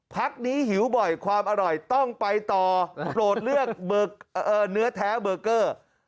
พักนี้หิวบ่อยความอร่อยต้องไปต่อโปรดเลือกเนื้อแท้เบอร์เกอร์